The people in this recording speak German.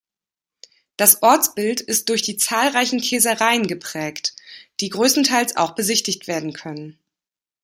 Das Ortsbild ist durch die zahlreichen Käsereien geprägt, die größtenteils auch besichtigt werden können.